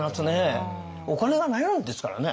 お金がないわけですからね。